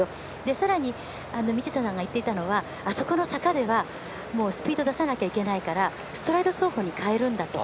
さらに、道下さんが言っていたのはあそこの坂ではスピード出さなきゃいけないからストライド走法に変えるんだと。